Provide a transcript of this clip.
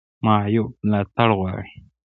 معیوب ملاتړ غواړي